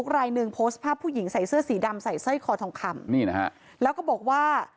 รายหนึ่งโพสต์ภาพผู้หญิงใส่เสื้อสีดำใส่สร้อยคอทองคำนี่นะฮะแล้วก็บอกว่า